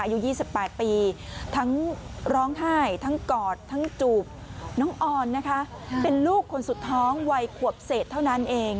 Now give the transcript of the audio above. อายุ๒๘ปีทั้งร้องไห้ทั้งกอดทั้งจูบน้องออนนะคะเป็นลูกคนสุดท้องวัยขวบเศษเท่านั้นเอง